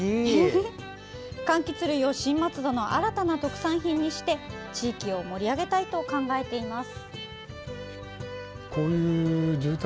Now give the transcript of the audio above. かんきつ類を新松戸の新たな特産品にして地域を盛り上げたいと考えています。